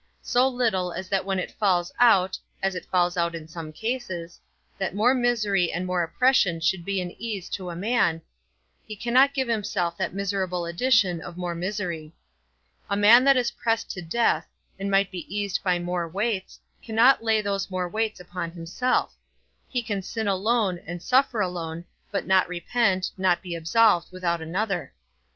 So little as that when it falls out (as it falls out in some cases) that more misery and more oppression would be an ease to a man, he cannot give himself that miserable addition of more misery. A man that is pressed to death, and might be eased by more weights, cannot lay those more weights upon himself: he can sin alone, and suffer alone, but not repent, not be absolved, without another.